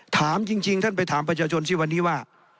ถามจริงท่านไปถามประชาชนสิวันนี้ว่า